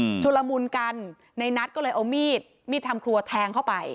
ชุลมุนกันในนัทก็เลยเอามีดมีดทำครัวแทงเข้าไป